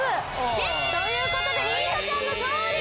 イエーイ！ということで凜香ちゃんの勝利！